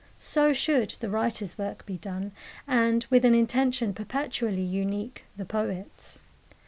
So should the writer's work be done, and, with an intention perpetually unique, the poet's.